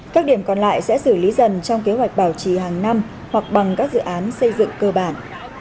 các điểm còn lại sẽ xử lý dần trong kế hoạch bảo trì hàng năm hoặc bằng các dự án xây dựng cơ bản